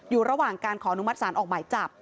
อยู่ระหว่างการขอนุมัติศาลออกหมายจับ